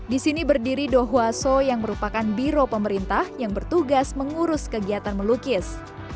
di sini berdiri dohuaso yang merupakan biro pemerintah yang bertugas mengurus kegiatan melukis